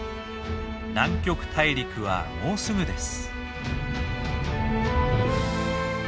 南極大陸はもうすぐです。